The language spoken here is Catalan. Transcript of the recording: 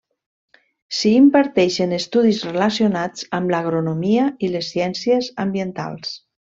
S'hi imparteixen estudis relacionats amb l'agronomia i les ciències ambientals.